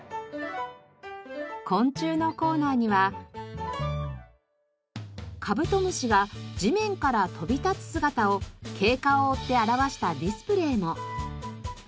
昆虫のコーナーにはカブトムシが地面から飛び立つ姿を経過を追って表したディスプレーも。